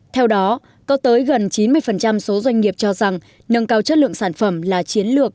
theo đó có tới gần chín mươi số doanh nghiệp cho rằng nâng cao chất lượng sản phẩm là chiến lược